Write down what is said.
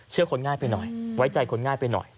คนง่ายไปหน่อยไว้ใจคนง่ายไปหน่อย